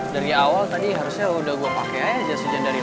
dari awal tadi harusnya udah gua pake aja jas hujan dari lu